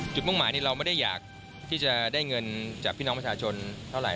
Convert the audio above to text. มุ่งหมายนี้เราไม่ได้อยากที่จะได้เงินจากพี่น้องประชาชนเท่าไหร่